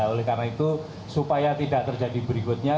oleh karena itu supaya tidak terjadi berikutnya